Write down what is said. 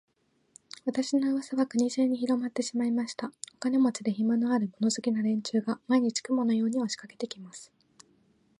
私の噂は国中にひろまってしまいました。お金持で、暇のある、物好きな連中が、毎日、雲のように押しかけて来ます。